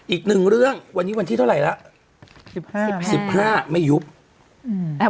อีกหนึ่งเรื่องวันนี้วันที่เท่าไหร่แล้วสิบห้าสิบห้าสิบห้าไม่ยุบอืม